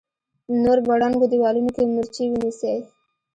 نور په ړنګو دېوالونو کې مورچې ونيسئ!